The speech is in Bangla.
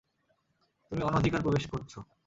তুমি অনধিকার প্রবেশ করছো!